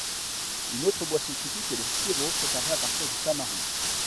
Une autre boisson typique est le sirop préparé à partir du tamarin.